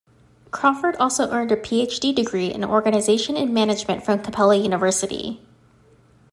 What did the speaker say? Crawford also earned a Ph.D. degree in organization and management from Capella University.